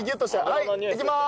はいいきます